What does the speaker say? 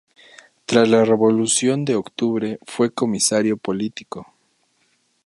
Tras la Revolución de Octubre, fue comisario político.